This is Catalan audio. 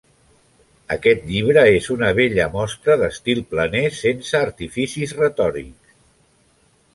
Aquest llibre és una bella mostra d’estil planer, sense artificis retòrics.